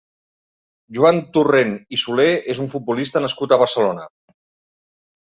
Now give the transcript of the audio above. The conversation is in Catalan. Joan Torrent i Solé és un futbolista nascut a Barcelona.